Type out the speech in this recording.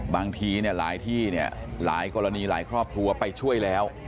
บางทีหลายที่เนี่ยหลายกรณีหลายครอบครัวไปช่วยแล้ว